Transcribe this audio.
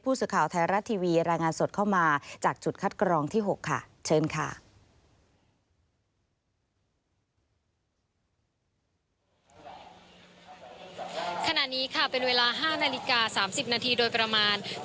พูดสุข่าวไทยรัฐทีวีรายงานสดเข้ามาจากจุดคัดกรองที่๖ค่ะ